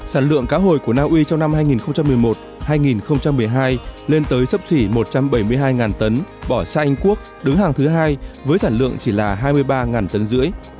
sản lượng cá hồi của naui trong năm hai nghìn một mươi một hai nghìn một mươi hai lên tới sấp xỉ một trăm bảy mươi hai tấn bỏ xa anh quốc đứng hàng thứ hai với sản lượng chỉ là hai mươi ba tấn rưỡi